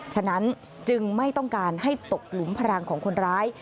ฉะนั้นจึงไม่ต้องการให้ตกหลุมพลังของคนร้าย